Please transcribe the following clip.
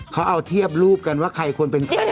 เขาเอาเทียบรูปกันว่าใครควรเป็นใคร